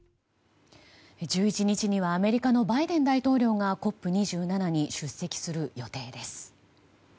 １１日にはアメリカのバイデン大統領がＣＯＰ２７に出席する予定です。